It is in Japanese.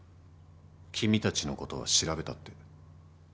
君たちのことは調べたって。